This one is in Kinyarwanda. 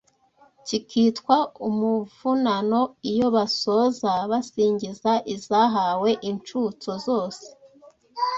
kikitwa umuvunano iyo basoza basingiza izahawe incutso zose